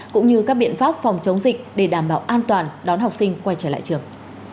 cũng như các biện pháp phòng chống dịch để đảm bảo an toàn đón học sinh quay trở lại trường